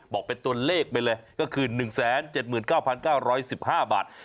บอกเป็นตัวเลขไปเลยก็คือ๑๗๙๙๑๕บาท